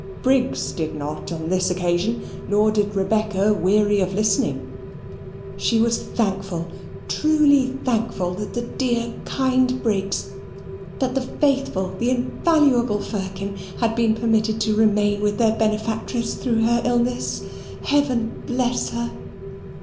Briggs did not on this occasion; nor did Rebecca weary of listening. She was thankful, truly thankful, that the dear kind Briggs, that the faithful, the invaluable Firkin, had been permitted to remain with their benefactress through her illness. Heaven bless her!